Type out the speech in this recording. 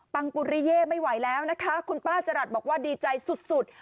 ปัริเย่ไม่ไหวแล้วนะคะคุณป้าจรัสบอกว่าดีใจสุด